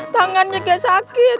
tangan juga sakit